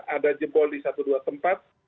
ada jebol di satu dua tempat